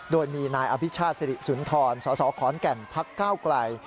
โดยมีนายอภิชาศริสุนทรสคแก่นพักก้าวกลาย